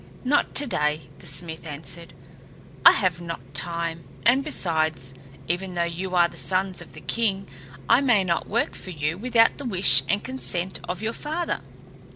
"Not today," the smith answered. "I have not time; and besides, even though you are the sons of the king, I may not work for you without the wish and consent of your father.